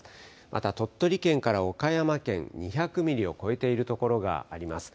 また鳥取県から岡山県、２００ミリを超えているところがあります。